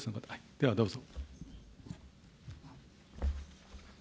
では、どうぞ。